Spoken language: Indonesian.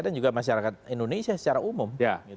juga masyarakat indonesia secara umum